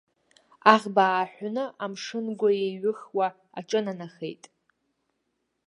Аӷба ааҳәны амшын-гәы еиҩыхуа аҿынанахеит.